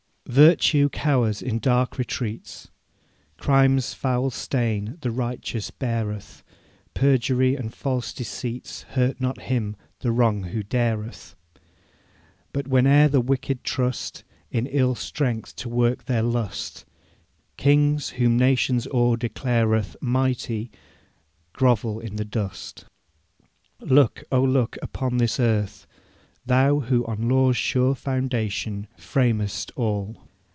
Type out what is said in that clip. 'Virtue cowers in dark retreats, Crime's foul stain the righteous beareth, Perjury and false deceits Hurt not him the wrong who dareth; But whene'er the wicked trust In ill strength to work their lust, Kings, whom nations' awe declareth Mighty, grovel in the dust. 'Look, oh look upon this earth, Thou who on law's sure foundation Framedst all!